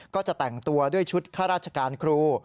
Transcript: ก็จะแต่งตัวด้วยชุดข้าราชการครู